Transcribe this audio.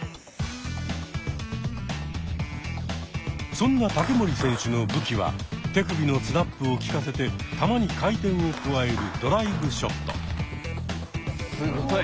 そんな竹守選手の武器は手首のスナップをきかせて球に回転を加えるすごい。